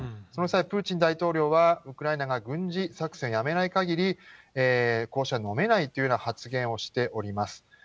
その際、プーチン大統領はウクライナが軍事作戦やめないかぎり、交渉は飲めないという発言をしております。